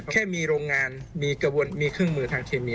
แค่มีโรงงานมีกระบวนมีเครื่องมือทางเคมี